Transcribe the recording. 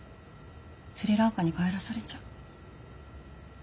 スリランカに帰らされちゃう。